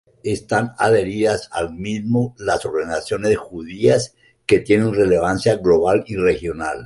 Están adheridas al mismo las organizaciones judías que tienen relevancia global y regional.